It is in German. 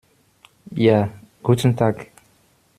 Ja, guten Tag!